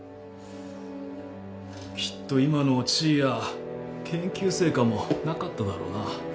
きっと今の地位や研究成果もなかっただろうな。